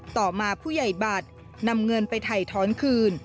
ต่อมาผู้ใหญ่บัตรนำเงินไปถ่ายท้อนคืน